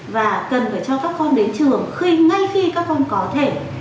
và cần phải cho các con đến trường khi ngay khi các con có thể